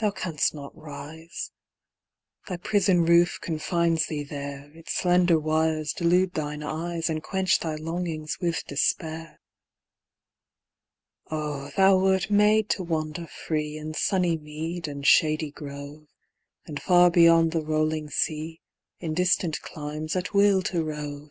Thou canst not rise: Thy prison roof confines thee there; Its slender wires delude thine eyes, And quench thy longings with despair. Oh, thou wert made to wander free In sunny mead and shady grove, And far beyond the rolling sea, In distant climes, at will to rove!